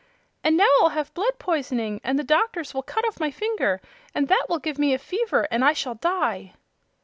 "And now I'll have blood poisoning, and the doctors will cut off my finger, and that will give me a fever and I shall die!"